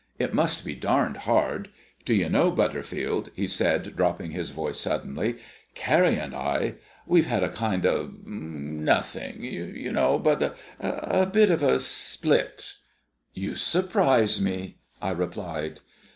It must be darned hard. Do you know, Butterfield," he said, dropping his voice suddenly, "Carrie and I we've had a kind of nothing, you know but a bit of a split." "You surprise me," I replied.